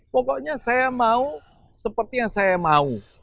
pokoknya saya mau seperti yang saya mau